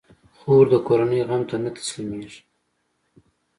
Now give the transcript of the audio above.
خور د کورنۍ غم ته نه تسلېږي.